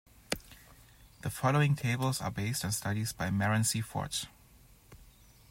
The following tables are based on studies by Marron C. Fort.